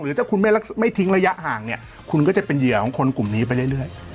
ถ้าคุณไม่ทิ้งระยะห่างเนี่ยคุณก็จะเป็นเหยื่อของคนกลุ่มนี้ไปเรื่อย